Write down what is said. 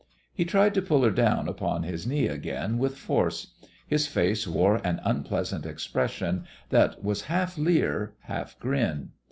He tried to pull her down upon his knee again with force. His face wore an unpleasant expression that was half leer, half grin.